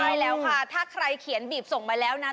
ใช่แล้วค่ะถ้าใครเขียนบีบส่งมาแล้วนะ